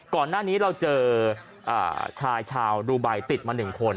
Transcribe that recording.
ก่อนหน้านี้เราเจอชายชาวดูไบติดมา๑คน